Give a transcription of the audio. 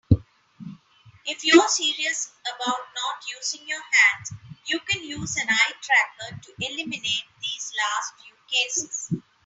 If you're serious about not using your hands, you can use an eye tracker to eliminate these last few cases.